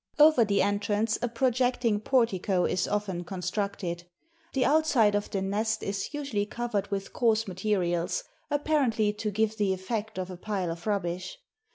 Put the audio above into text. Over the entrance a projecting portico is often constructed. The outside of the nest is usually covered with coarse materials, apparently to give the effect of a pile of rubbish.